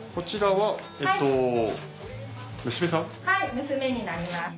はい娘になります。